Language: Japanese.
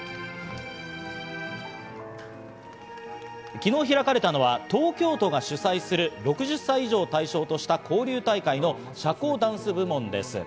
昨日開かれたのは東京都が主催する６０歳以上を対象とした、交流大会の社交ダンス部門です。